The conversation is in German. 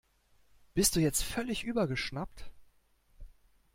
Bist du jetzt völlig übergeschnappt?